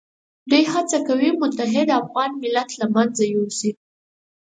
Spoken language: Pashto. دوی هڅه کوي متحد افغان ملت له منځه یوسي.